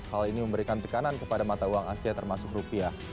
hal ini memberikan tekanan kepada mata uang asia termasuk rupiah